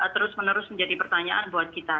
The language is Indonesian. terus menerus menjadi pertanyaan buat kita